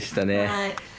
はい。